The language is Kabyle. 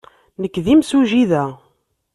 Nekk d imsujji da.